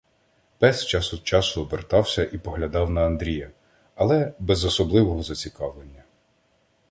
Пес час од часу обертався і поглядав на Андрія, але без особливого зацікавлення.